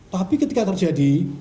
tapi ketika terjadi